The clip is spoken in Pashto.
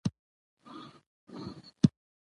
نو په مجلس کې پورته شو او په لوړ غږ يې وويل: